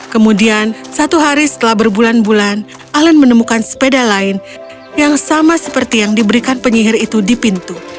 kemudian satu hari setelah berbulan bulan alen menemukan sepeda lain yang sama seperti yang diberikan penyihir itu di pintu